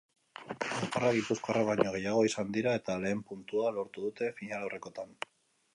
Nafarrak gipuzkoarrak baino gehiago izan dira eta lehen puntua lortu dute finalaurrekoetan.